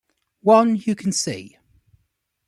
One you can see.